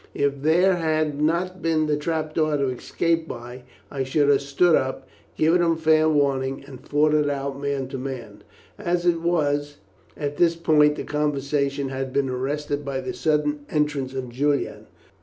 If there had not been the trap door to escape by I should have stood up, given him fair warning, and fought it out man to man. As it was " at this point the conversation had been arrested by the sudden entrance of Julian.